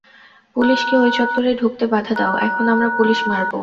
পুলিশকে ওই চত্বরে ঢুকতে বাধা দাও এখন আমরা পুলিশ মারবো?